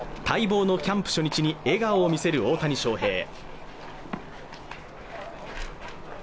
待望のキャンプ初日に笑顔を見せる大谷翔平